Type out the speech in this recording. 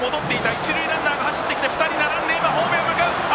一塁ランナー走って２人並んでホームへ向かう！